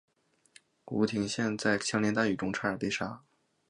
吴廷琰在枪林弹雨中差点被杀。